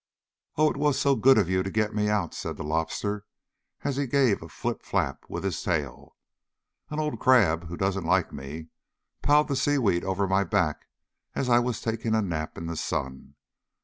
"Oh, it was so good of you to get me out," said the Lobster as he gave a flip flap with his tail. "An old crab, who doesn't like me, piled the seaweed over my back as I was taking a nap in the sun.